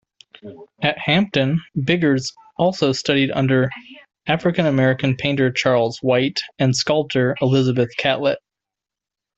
At Hampton, Biggers also studied under African-American painter Charles White and sculptor Elizabeth Catlett.